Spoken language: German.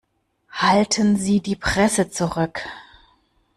Halten Sie die Presse zurück!